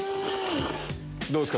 どうですか？